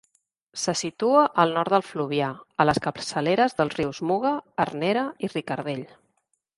Se situa al nord del Fluvià, a les capçaleres dels rius Muga, Arnera i Ricardell.